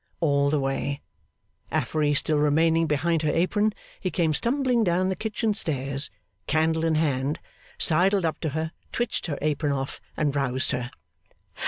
all the way. Affery still remaining behind her apron, he came stumbling down the kitchen stairs, candle in hand, sidled up to her, twitched her apron off, and roused her.